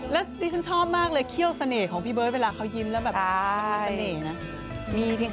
แล้วดิฉันชอบมากเลยเขี้ยวเสน่ห์ของพี่เบิร์ตเวลาเขายิ้มแล้วแบบมีเสน่ห์นะ